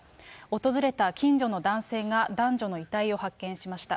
訪れた近所の男性が、男女の遺体を発見しました。